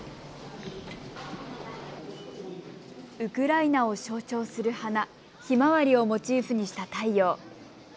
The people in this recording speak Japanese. ウクライナを象徴する花、ひまわりをモチーフにした太陽。